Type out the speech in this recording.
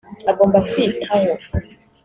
agomba kwitaho